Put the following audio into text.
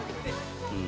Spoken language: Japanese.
うん。